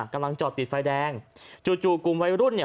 กำลังจอดติดไฟแดงจู่จู่กลุ่มวัยรุ่นเนี่ย